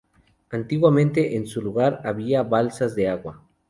Antiguamente en su lugar había balsas de agua.